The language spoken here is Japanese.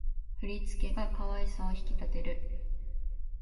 振り付けが可愛さを引き立てる